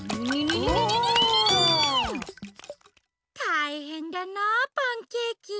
たいへんだなあパンケーキ。